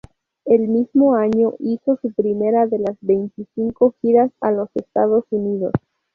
El mismo año, hizo su primera de las veinticinco giras a los Estados Unidos.